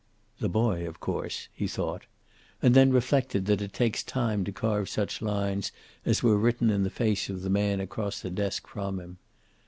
"The boy, of course," he thought. And then reflected that it takes time to carve such lines as were written in the face of the man across the desk from him.